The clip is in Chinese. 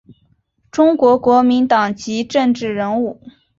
中国国民党籍政治人物。